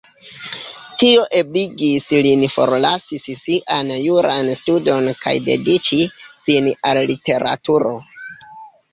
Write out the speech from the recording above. Tio ebligis lin forlasi siajn jurajn studojn kaj dediĉi sin al literaturo.